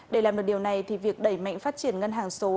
để làm được điều này thì việc đẩy mạnh phát triển ngân hàng số